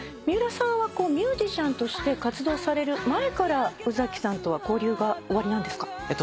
三浦さんはミュージシャンとして活動される前から宇崎さんとは交流がおありなんですか？